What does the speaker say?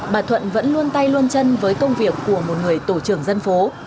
bà thuận vẫn luôn tay luôn chân với công việc của một người tổ trưởng dân phố